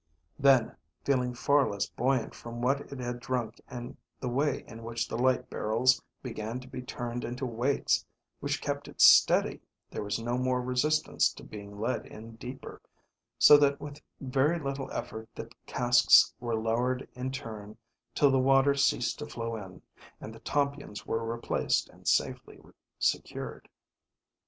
Then, feeling far less buoyant from what it had drunk and the way in which the light barrels began to be turned into weights which kept it steady, there was no more resistance to being led in deeper, so that with very little effort the casks were lowered in turn till the water ceased to flow in, and the tompions were replaced and safely secured.